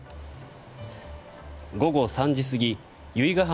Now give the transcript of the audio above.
午後３時過ぎ由比ガ浜